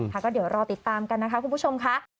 ค่ะก็เดี๋ยวรอติดตามกันนะคะคุณผู้ชมค่ะ